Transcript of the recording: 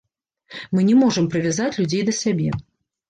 Мы не можам прывязаць людзей да сябе.